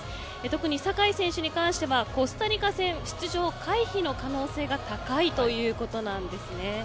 特に酒井選手に関してはコスタリカ戦出場回避の可能性が高いということなんですね。